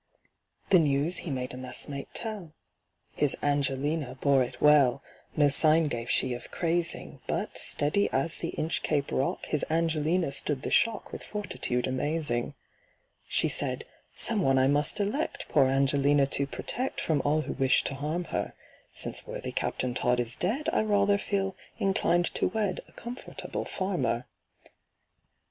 The news he made a messmate tell. His ANGELINA bore it well, No sign gave she of crazing; But, steady as the Inchcape Rock, His ANGELINA stood the shock With fortitude amazing. She said, "Some one I must elect Poor ANGELINA to protect From all who wish to harm her. Since worthy CAPTAIN TODD is dead, I rather feel inclined to wed A comfortable farmer."